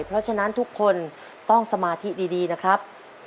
เพราะฉะนั้นทุกคนต้องสมาธิดีนะครับ